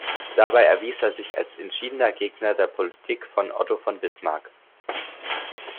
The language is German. Dabei erwies er sich als entschiedener Gegner der Politik von Otto von Bismarck.